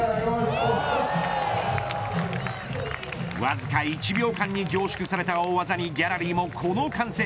わずか１秒間に凝縮された大技にギャラリーもこの歓声。